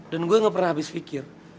dan gue gak pernah habis pikir